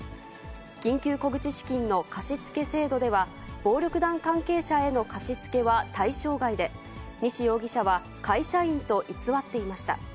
緊急小口資金の貸し付け制度では、暴力団関係者への貸し付けは対象外で、西容疑者は会社員と偽っていました。